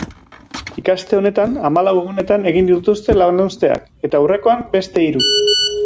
Ikaste honetan hamalau egunetan egin dituzte lanuzteak, eta aurrekoan, beste hiru.